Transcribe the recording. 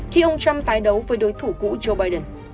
khi ông trump tái đấu với đối thủ cũ joe biden